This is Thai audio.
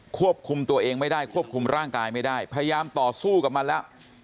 ควบคุมตัวเองไม่ได้ควบคุมร่างกายไม่ได้พยายามต่อสู้กับมันแล้ว